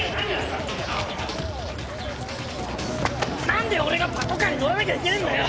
なんで俺がパトカーに乗らなきゃいけねぇんだよ！？